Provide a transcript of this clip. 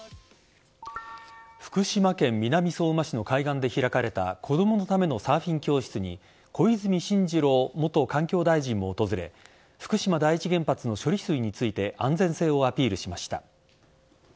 福島県南相馬市の海岸で開かれた子供のためのサーフィン教室に小泉進次郎元環境大臣も訪れ福島第一原発の処理水について安全性をアピールしました。